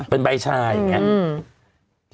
เป็นใบชาอย่างนี้